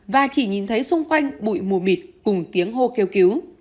và chỉ nhìn thấy xung quanh bụi mù mịt cùng tiếng hô kêu cứu